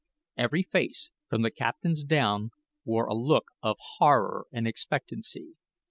Every face, from the captain's down, wore a look of horror and expectancy.